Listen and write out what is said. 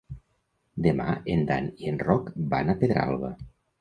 Demà en Dan i en Roc van a Pedralba.